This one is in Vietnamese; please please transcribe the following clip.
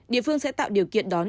địa phương sẽ tạo điều kiện đón